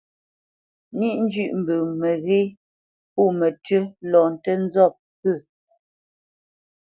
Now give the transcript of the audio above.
Níʼ njʉ̂ʼ mbə məghé pô mətʉ́ lɔ ntə nzɔ́p pə̂.